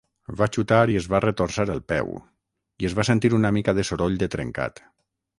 Va xutar i es va retorçar el peu, i es va sentir una mica de soroll de trencat.